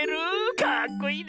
かっこいいね！